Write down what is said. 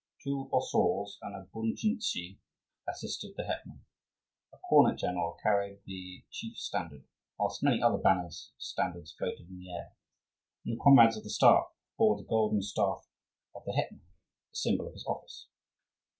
Two osauls and a bunchuzhniy assisted the hetman. A cornet general carried the chief standard, whilst many other banners and standards floated in the air; and the comrades of the staff bore the golden staff of the hetman, the symbol of his office.